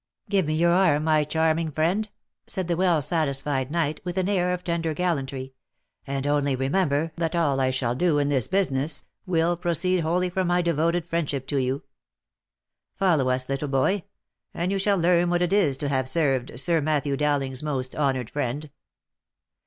" Give me your arm, my charming friend !" said the well satisfied knight, with an air of tender gallantry, "and only remember, that all I shall do in this business, will proceed wholly from my devoted friendship to you. Follow us, little boy, and you shall learn what it is to have served Sir Matthew Dowling's most honoured friend."